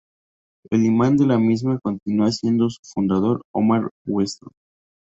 El Imán de la misma continúa siendo su fundador Omar Weston.